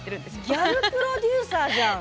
ギャルプロデューサーじゃん！